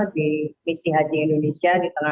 di visi haji indonesia